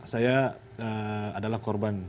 saya adalah korban